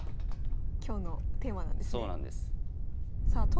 今日のテーマなんですね。